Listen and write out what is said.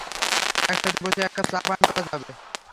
একসাথে বসে এক কাপ চা পান করা যাবে?